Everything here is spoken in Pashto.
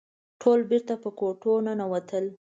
ټول بېرته په کوټو ننوتل.